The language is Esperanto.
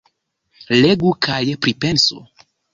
Legu kaj pripensu!